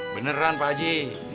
beneran pak haji